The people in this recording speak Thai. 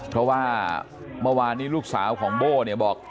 เพราะว่าเมื่อวานนี้ลูกสาวของโบ้เนี่ยบอก